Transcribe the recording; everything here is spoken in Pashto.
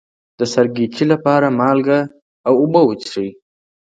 د سرګیچي لپاره مالګه او اوبه وڅښئ